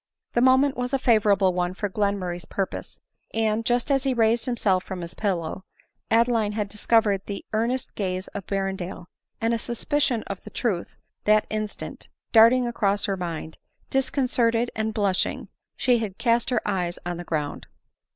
The moment was a favorable one for Glenmurray's purpose : and just as he raised himself from his pillow, Adeline had discovered the earnest gaze of Berrendale ; and a suspicion of the truth that instant darting across her mind, disconcerted and blushing, she had cast her eyes on the ground.